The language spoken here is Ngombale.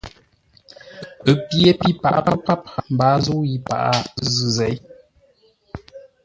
Ə́ pye pi paghʼə pə̌ páp, mbaa zə̂u yi paghʼə zʉ̂ zěi.